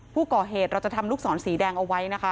ผู้ก่อเหตุเราจะทำลูกศรสีแดงเอาไว้นะคะ